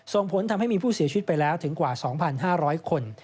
ส่งผลทำให้มีผู้เสียชีวิตไปแล้วถึงกว่า๒๕๐๐คน